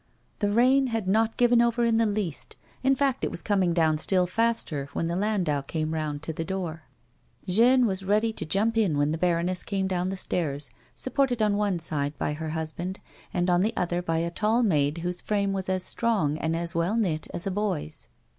The rain had not given over in the least, in fact, it was coming down still faster when the landau came round to the door. Jeanne was ready to jump in when the baroness came down the stairs, supported on one side by her husband, and on t^ other by a tall maid whose frame was as strong and as well knit as a boy's.